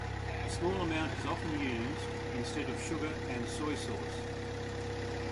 A small amount is often used instead of sugar and soy sauce.